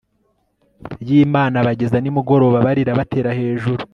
y Imana bageza nimugoroba barira batera hejuru